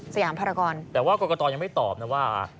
สยามภารกรแต่ว่ากรกตยังไม่ตอบนะว่า